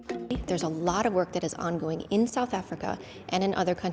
ada banyak kerja yang berlangsung di afrika selatan dan di negara lain